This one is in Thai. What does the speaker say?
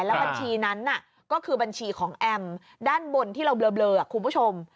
แล้วบัญชีนั้นก็คือบัญชีของแอมด้านบนที่เราเบลอคุณผู้ชม